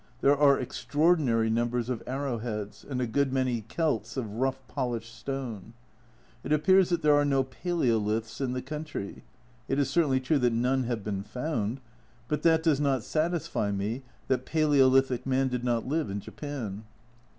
There are extraordinary numbers of arrowheads, and a good many celts of rough polished stone. It appears that there are no palaeoliths in the country ; it is certainly true that none have been found, but that does not satisfy me that palaeolithic man did not live in Japan.